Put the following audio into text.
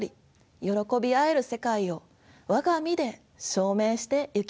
よろこび合える世界を我が身で証明してゆきましょう。